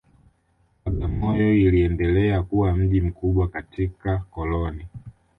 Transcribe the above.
Bagamoyo iliendelea kuwa mji mkubwa katika koloni